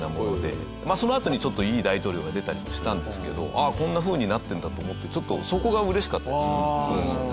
そのあとにちょっといい大統領が出たりもしたんですけどこんなふうになってるんだと思ってちょっとそこが嬉しかったですね。